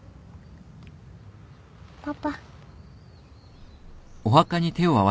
パパ。